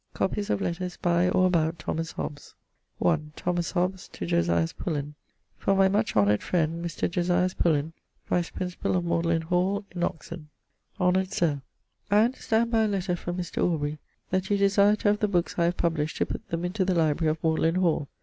<_Copies of letters by, or about, Thomas Hobbes._> i. Thomas Hobbes to Josias Pullen. For my much honored friend Mr. Josias Pullen, Vice principall of Magdalen Hall in Oxon. Honour'd Sir, I understand by a letter from Mr. Aubry that you desire to have the bookes I have published to put them into the library of Magdalen Hall.